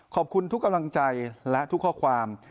ขอบคุณทุกกำลังใจและทุกข้อความ